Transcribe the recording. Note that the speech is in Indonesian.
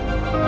lo mau kemana